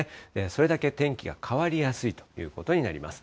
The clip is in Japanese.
それだけ天気が変わりやすいということになります。